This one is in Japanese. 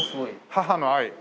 「母の愛」？